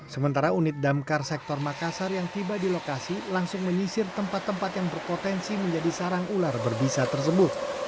sementara unit damkar sektor makassar yang tiba di lokasi langsung menyisir tempat tempat yang berpotensi menjadi sarang ular berbisa tersebut